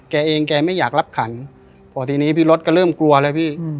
แกเองแกไม่อยากรับขันพอทีนี้พี่รถก็เริ่มกลัวเลยพี่